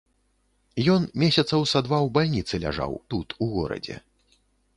Ён месяцаў са два ў бальніцы ляжаў тут, у горадзе.